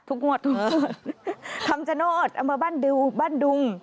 ทุกงวดค่ะคำจโน้ตเอามาบ้านดุง